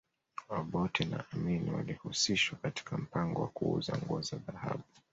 Obote na Amin walihusishwa katika mpango wa kuuza nguo za dhahabu